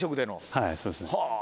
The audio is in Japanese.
はいそうですね。